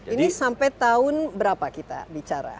ini sampai tahun berapa kita bicara